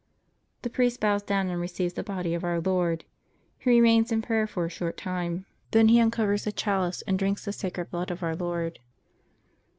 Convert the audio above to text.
The priest bows down and receives the Body of Our Lord. He remains in prayer for a short time. Then he uncovers the chalice and drinks the Sacred Blood of Our Lord.